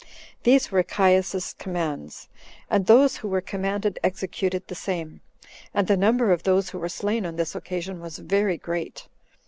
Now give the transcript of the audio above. These were Caius's commands, and those who were commanded executed the same; and the number of those who were slain on this occasion was very great.